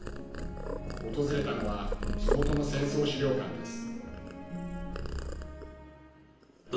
訪れたのは地元の戦争資料館です。